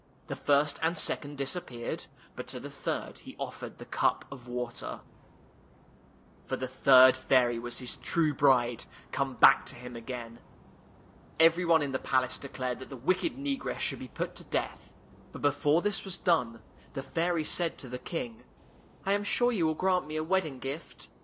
The first and second disappeared, but to the third he offered the cup of water —[ 9 ] FAVORITE FAIRY TALES RETOLD for the third fairy was his true bride, come back to him again. Every one in the palace declared that the wicked negress should be put to death, but before this was done, the fairy said to the King, " I am sure you will grant me a wed ding gift."